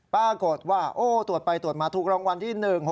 ปรากฏว่าโอ้ตรวจไปตรวจมาถูกรางวัลที่๑๖